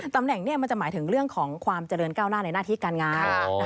ตำแหน่งนี้มันจะหมายถึงเรื่องของความเจริญก้าวหน้าในหน้าที่การงาน